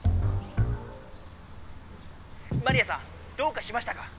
マリアさんどうかしましたか？